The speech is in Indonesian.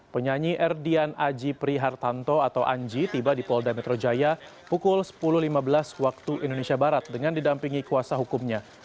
penyanyi erdian aji prihartanto atau anji tiba di polda metro jaya pukul sepuluh lima belas waktu indonesia barat dengan didampingi kuasa hukumnya